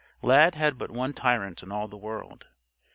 Lad had but one tyrant in all the world.